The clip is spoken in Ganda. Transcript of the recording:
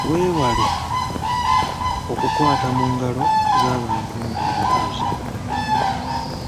Weewale okukwata mu ngalo z'abantu ng'obabuuza.